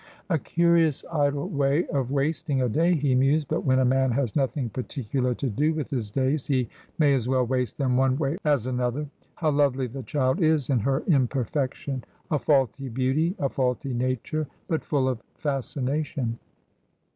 ' A curious idle way of wasting a day,' he mused ;' but when a man has nothing particular to do with his days he may as well waste them one way as another. How lovely the child is in her imperfection ! a faulty beauty — a faulty nature — but full of fas cination.